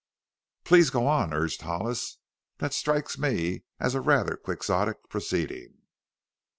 "Please go on," urged Hollis. "That strikes me as a rather Quixotic proceeding."